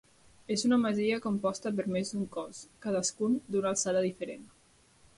És una masia composta per més d'un cos, cadascun d'una alçada diferent.